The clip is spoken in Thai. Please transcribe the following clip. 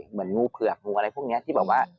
งูเผือกงูอะไรพวกนี้ที่แบบว่า